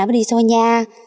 mới đi xôi nha